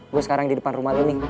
gue sekarang di depan rumah lo nih